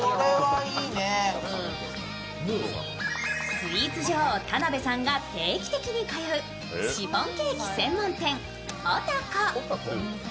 スイーツ女王・田辺さんが定期的に通うシフォンケーキ専門店ｏｔａｃｏ。